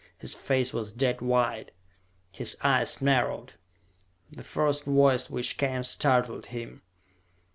His face was dead white, his eyes narrowed. The first voice which came startled him.